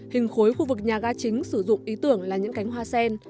hình khối khu vực nhà ga chính sử dụng ý tưởng là những cánh hoa sen